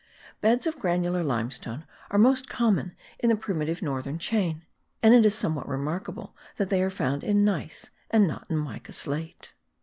Beds of granular limestone are most common in the primitive northern chain; and it is somewhat remarkable that they are found in gneiss, and not in mica slate.